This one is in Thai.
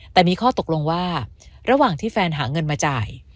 แต่มีข้อตกลงว่าระหว่างที่แฟนหาเงินมาจ่าย